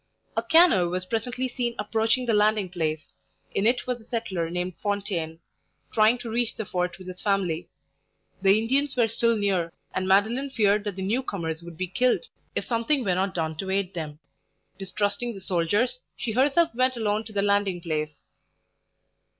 A canoe was presently seen approaching the landing place. In it was a settler named Fontaine, trying to reach the fort with his family. The Indians were still near; and Madeline feared that the new comers would be killed, if something were not done to aid them. Distrusting the soldiers, she herself went alone to the landing place.